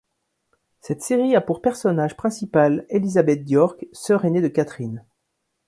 Cette série a pour personnage principal Élisabeth d'York, sœur aînée de Catherine.